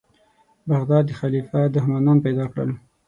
بغداد د خلیفه دښمنان پیدا کړل.